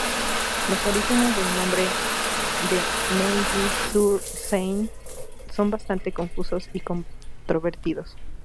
Los orígenes del nombre de Neuilly-sur-Seine son bastante confusos y controvertidos.